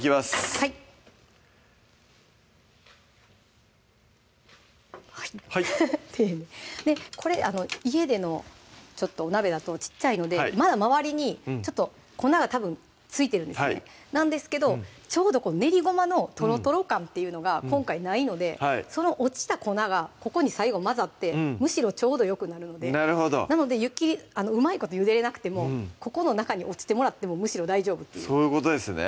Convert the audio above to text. はいはい丁寧これ家でのお鍋だと小っちゃいのでまだ周りにちょっと粉がたぶん付いてるんですねなんですけどちょうど練りごまのとろとろ感っていうのが今回ないのでその落ちた粉がここに最後混ざってむしろちょうどよくなるのでなので湯切りうまいことゆでれなくてもここの中に落ちてもらってもむしろ大丈夫っていうそういうことですね